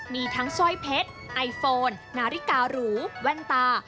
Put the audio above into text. มีทั้งสร้อยเพชรไอโฟนนาฬิการูแว่นตา